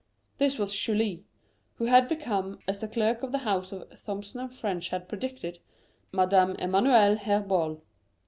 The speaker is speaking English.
This was Julie, who had become, as the clerk of the house of Thomson & French had predicted, Madame Emmanuel Herbault.